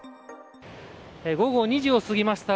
午後２時を過ぎました。